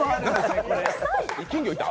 金魚いた？